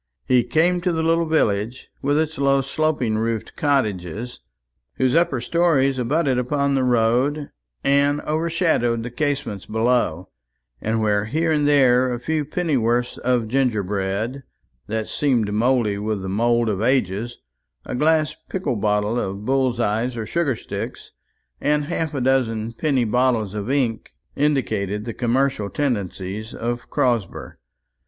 He came to the little village, with its low sloping roofed cottages, whose upper stories abutted upon the road and overshadowed the casements below; and where here and there a few pennyworths of gingerbread, that seemed mouldy with the mould of ages, a glass pickle bottle of bull's eyes or sugar sticks, and half a dozen penny bottles of ink, indicated the commercial tendencies of Crosber.